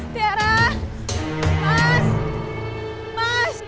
tiara mas mas